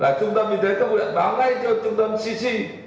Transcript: là trung tâm y tế các bộ y tế báo ngay cho trung tâm cc